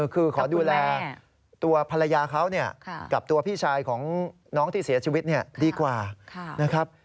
คือขอดูแลตัวภรรยาเขากับตัวพี่ชายของน้องที่เสียชีวิตดีกว่านะครับ